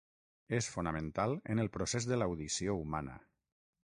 És fonamental en el procés de l'audició humana.